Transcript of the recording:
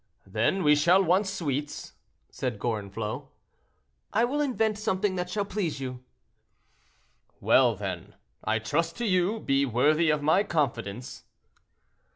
"Then we shall want sweets," said Gorenflot. "I will invent something that shall please you." "Well, then, I trust to you; be worthy of my confidence."